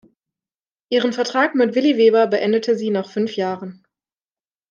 Ihren Vertrag mit Willi Weber beendete sie nach fünf Jahren.